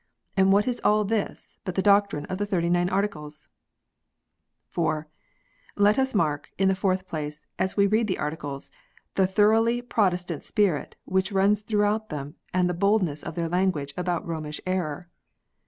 And what is all this but the doctrine of the Thirty nine Articles ? (4) Let us mark, in the fourth place, as we read the Articles, the thorouc/lily Protestant spirit which runs throughout them, and the boldness of their language about Romish error.